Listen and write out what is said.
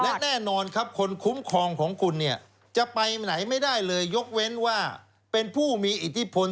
และแน่นอนครับคนคุ้มครองของคุณเนี่ยจะไปไหนไม่ได้เลยยกเว้นว่าเป็นผู้มีอิทธิพล